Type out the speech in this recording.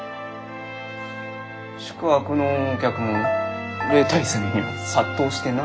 宿泊のお客も例大祭の日には殺到してな。